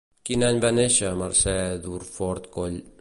Quin any va néixer Mercè Durfort Coll?